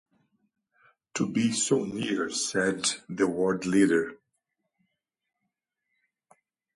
“To be so near!” said the Ward Leader.